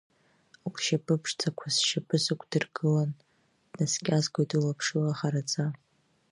Лшьапы ԥшӡақәа сшьапы сықәдыргылан, днаскьазгоит уи лаԥшыла хараӡа.